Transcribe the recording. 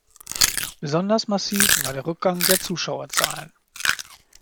Besonders massiv war der Rückgang der Zuschauerzahlen.